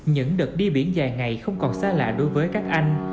những đợt đi biển dài ngày không còn xa lạ đối với các anh